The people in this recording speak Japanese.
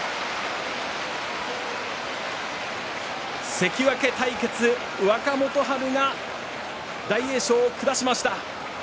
関脇対決、若元春が大栄翔を下しました。